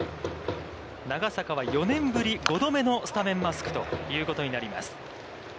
長坂は４年ぶり、５度目のスタメンマスクということになります。